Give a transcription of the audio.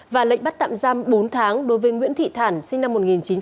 và lệnh bắt tạm giam bốn tháng đối với nguyễn thị thản sinh năm một nghìn chín trăm tám mươi